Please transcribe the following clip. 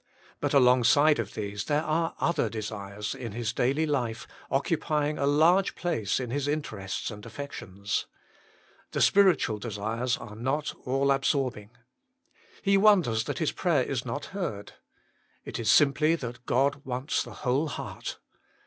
But alongside of these there are other desires in his daily life occupying a large place in his interests and affections. The spiritual desires are THE SECRET OF EFFECTUAL PRAYER 107 not all absorbing. He wonders that his prayer is not heard. It is simply that God wants the whole heart.